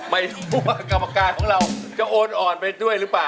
ไม่รู้ว่ากรรมการของเราจะโอนอ่อนไปด้วยหรือเปล่า